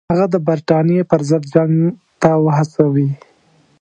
هغه د برټانیې پر ضد جنګ ته وهڅوي.